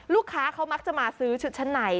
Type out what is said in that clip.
ลูกค้าเขามักจะมาซื้อชุดชั้นใน